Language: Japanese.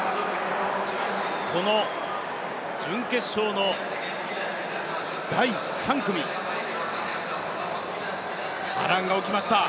この準決勝の第３組、波乱が起きました。